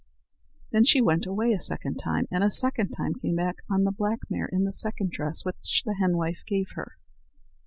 Then she went away a second time, and a second time came back on the black mare in the second dress which the henwife gave her.